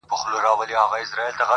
که رضا وي که په زور وي زې کوومه،